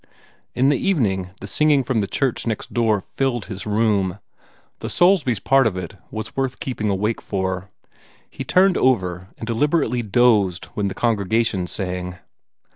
In the evening the singing from the church next door filled his room. The Soulsbys' part of it was worth keeping awake for. He turned over and deliberately dozed when the congregation sang.